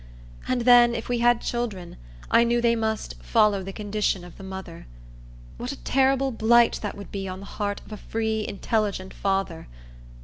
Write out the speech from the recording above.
And then, if we had children, I knew they must "follow the condition of the mother." What a terrible blight that would be on the heart of a free, intelligent father!